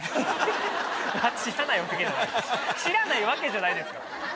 知らないわけじゃないですよ